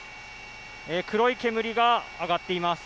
黒い煙が上がっています。